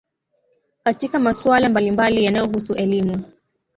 katika masuala mbalimbali yanayohusu elimu